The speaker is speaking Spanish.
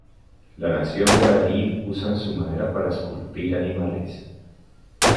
La nación guaraní usan su madera para esculpir animales.